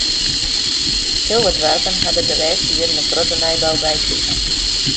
Heel wat doarpen ha der de lêste jierren in protte nijbou by krige.